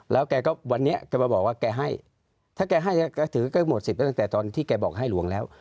แล้วแกก็วันนี้แกมาบอกว่าแกให้ถ้าแกให้แกถือก็หมดสิทธิ์ตั้งแต่ตอนที่แกบอกให้หลวงแล้ว